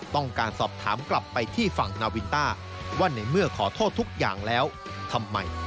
ต้องการสอบถามกลับไปที่ฝั่งนาวินต้าว่าในเมื่อขอโทษทุกอย่างแล้วทำไม